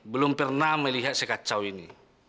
belum pernah melihat sekacau ini